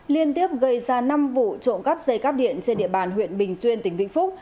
liên tiếp gây ra năm vụ trộm cắp dây cắp điện trên địa bàn huyện bình xuyên tỉnh vĩnh phúc